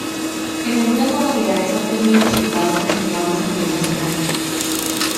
En algunas modalidades ha obtenido resultados reseñables a nivel nacional.